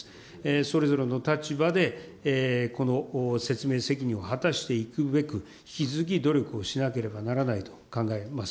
それぞれの立場で、説明責任を果たしていくべく、引き続き努力をしなければならないと考えます。